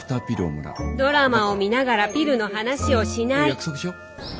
ドラマを見ながらピルの話をしない。